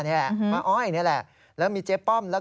ฮ่าฮ่าฮ่าฮ่าฮ่า